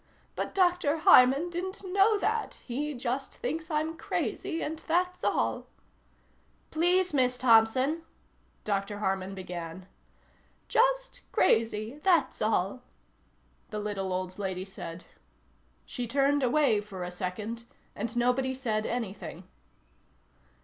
But Doctor Harman didn't know that. He just thinks I'm crazy and that's all." "Please, Miss Thompson " Dr. Harman began. "Just crazy, that's all," the little old lady said. She turned away for a second and nobody said anything.